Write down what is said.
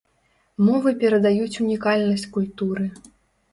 Мовы перадаюць унікальнасць культуры.